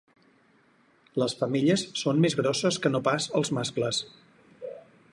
Les femelles són més grosses que no pas els mascles.